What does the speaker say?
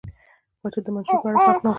پاچا د منشور په اړه خوښ نه و.